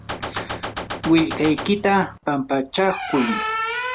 willkaykita pampachaykuy.